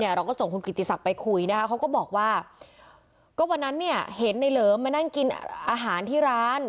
เราก็ส่งคุณกิติศักดิ์ไปคุยนะคะเขาก็บอกว่าก็วันนั้นเนี่ยเห็นในเหลิมมานั่งกินอาหารที่ร้าน